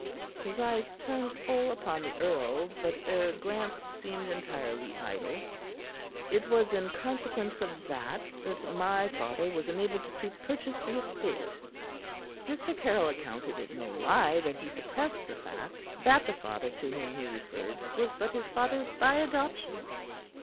His eyes turned full upon the earl, but their glance seemed entirely idle. "It was in consequence of that that my father was enabled to purchase the estate." Mr. Caryll accounted it no lie that he suppressed the fact that the father to whom he referred was but his father by adoption.